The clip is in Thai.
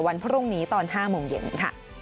วันพรุ่งนี้ตอน๕โมงเย็นค่ะ